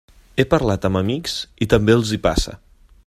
He parlat amb amics i també els hi passa.